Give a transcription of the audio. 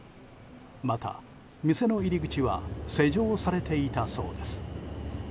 また、店の入り口は施錠されていたそうです。